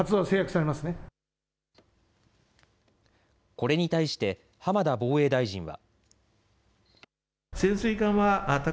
これに対して浜田防衛大臣は。